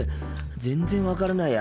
全然分からないや。